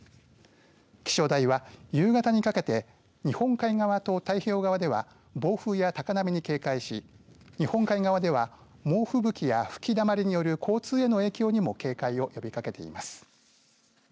気象台は、夕方にかけて日本海側と太平洋側では暴風や高波に警戒し日本海側では、猛吹雪や吹きだまりによる交通への影響にも警戒を呼びかけています。